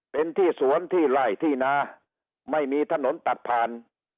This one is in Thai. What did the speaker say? เป็นที่สวนที่ไล่ที่นาไม่มีถนนตัดผ่าน